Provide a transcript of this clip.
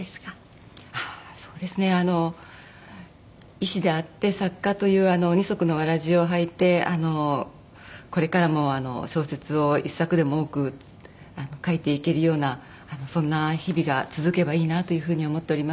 医師であって作家という二足のわらじを履いてこれからも小説を一作でも多く書いていけるようなそんな日々が続けばいいなという風に思っております。